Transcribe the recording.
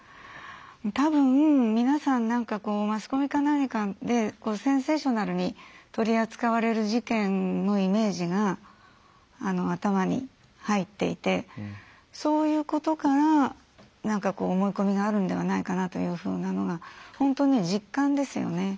多分、皆さん、マスコミか何かでセンセーショナルに取り扱われる事件のイメージが頭に入っていてそういうことから思い込みがあるんではないかなというふうな本当に実感ですよね。